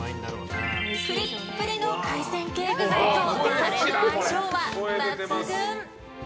プリップリの海鮮系具材とタレの相性は抜群！